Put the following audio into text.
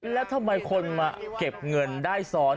แล้วทำไมคนมาเก็บเงินได้ซ้อน